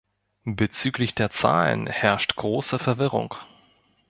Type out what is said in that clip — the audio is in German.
Bezüglich der Zahlen herrscht große Verwirrung.